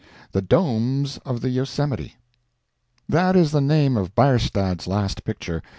"THE DOMES OF THE YOSEMITE" THAT is the name of Bierstadt's last picture.